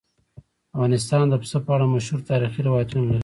افغانستان د پسه په اړه مشهور تاریخی روایتونه لري.